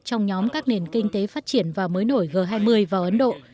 trong nhóm các nền kinh tế phát triển và mới nổi g hai mươi vào ấn độ